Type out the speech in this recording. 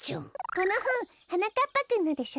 このほんはなかっぱくんのでしょ？